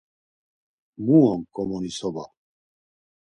Mu on ǩomonisoba?